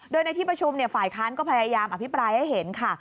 โดยในที่ประชุมฝ่ายค้านก็พยายามอภิปรายให้เห็นค่ะ